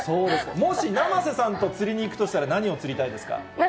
もし、生瀬さんと釣りに行くとしたら、何を釣りたいですか。